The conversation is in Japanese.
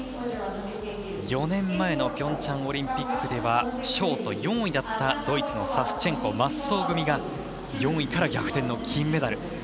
４年前のピョンチャンオリンピックではショート４位だったドイツのサフチェンコ、マッソー組が４位から逆転の金メダル。